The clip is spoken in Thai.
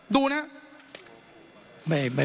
ดูนะครับ